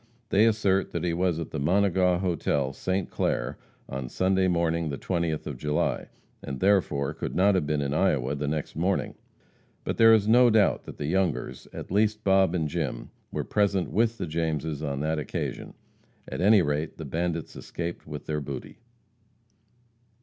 They assert that he was at the Monegaw hotel, St. Clair, on Sunday morning, the 20th of July, and therefore could not have been in Iowa the next morning. But there is no doubt that the Youngers at least Bob and Jim were present with the Jameses on that occasion. At any rate, the bandits escaped with their booty.